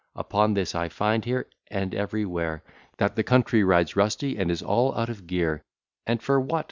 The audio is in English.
Upon this I find here, And everywhere, That the country rides rusty, and is all out of gear: And for what?